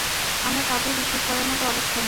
আমরা কাউকেই বিশ্বাস করার মতো অবস্থায় নেই।